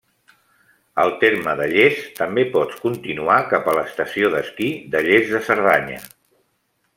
Al terme de Lles també pots continuar cap a l'Estació d'Esquí de Lles de Cerdanya.